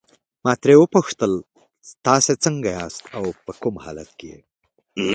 ما ترې وپوښتل تاسي څنګه یاست او په کوم حالت کې.